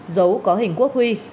dấu có hình quốc huy